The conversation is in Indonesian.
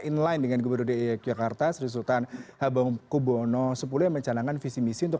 inline dengan gubernur dki yogyakarta seri sultan habang kubono sepuluh mencalankan visi misi untuk